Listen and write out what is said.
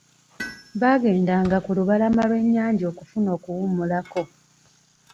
Baagendanga ku lubalama lw'ennyanja okufuna okuwumulako.